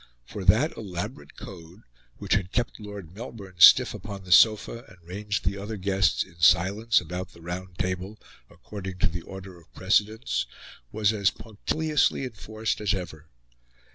For that elaborate code, which had kept Lord Melbourne stiff upon the sofa and ranged the other guests in silence about the round table according to the order of precedence, was as punctiliously enforced as ever.